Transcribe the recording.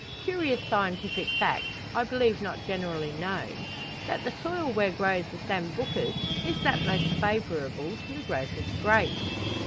Curious scientific fact, I believe not generally known, that the soil where grows the Sambucus is that most favourable to the growth of the grape.